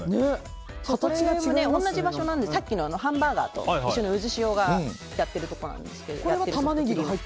同じ場所なのでさっきのハンバーガーと一緒のうずしおがやっているこれははい。